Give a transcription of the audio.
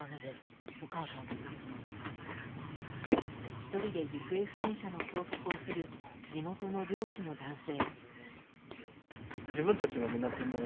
１人で行方不明者の捜索をする地元の漁師の男性。